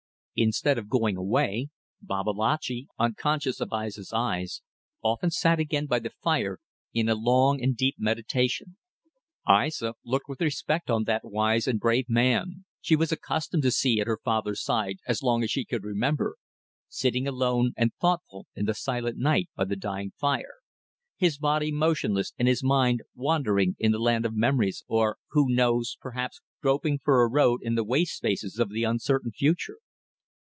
Instead of going away, Babalatchi, unconscious of Aissa's eyes, often sat again by the fire, in a long and deep meditation. Aissa looked with respect on that wise and brave man she was accustomed to see at her father's side as long as she could remember sitting alone and thoughtful in the silent night by the dying fire, his body motionless and his mind wandering in the land of memories, or who knows? perhaps groping for a road in the waste spaces of the uncertain future.